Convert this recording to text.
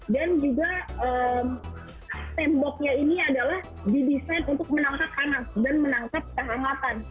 dan juga temboknya ini adalah didesain untuk menangkap panas dan menangkap kehangatan